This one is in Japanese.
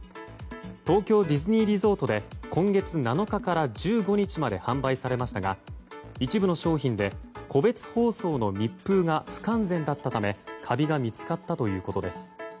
東京ディズニーリゾートで今月７日から１５日まで販売されましたが一部の商品で個別包装の密封が不完全だったためカビが見つかったということです。